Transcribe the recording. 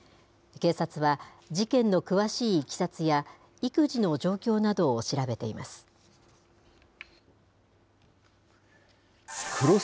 警察は、事件の詳しいいきさつや、育児の状況などを調べています。